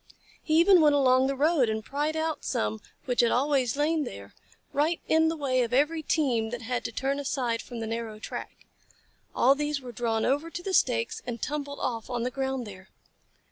He even went along the road and pried out some which had always lain there, right in the way of every team that had to turn aside from the narrow track. All these were drawn over to the stakes and tumbled off on the ground there.